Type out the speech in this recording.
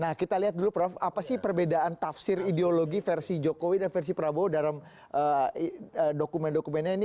nah kita lihat dulu prof apa sih perbedaan tafsir ideologi versi jokowi dan versi prabowo dalam dokumen dokumennya ini